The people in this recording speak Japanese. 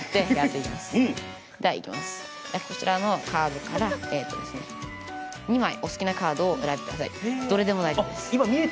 いきます、こちらのカードから２枚お好きなカードを選んでください。